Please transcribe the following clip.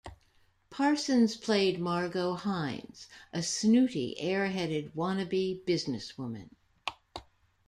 Parsons played Margot Hines, a snooty, airheaded wanna-be businesswoman.